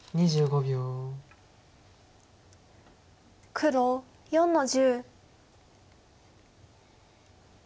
黒４の十。